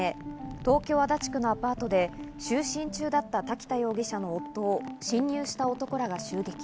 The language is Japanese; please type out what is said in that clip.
東京・足立区のアパートで就寝中だった滝田容疑者の夫を侵入した男らが襲撃。